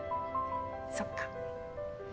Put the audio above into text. そっか。